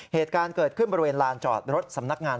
เหตุการณ์เกิดขึ้นบริเวณลานจอดรถสำนักงาน